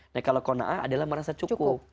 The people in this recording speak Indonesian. nah kalau kona'a adalah merasa cukup